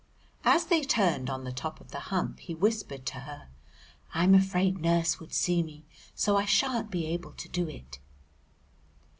As they turned on the top of the Hump he whispered to her, "I'm afraid Nurse would see me, so I sha'n't be able to do it."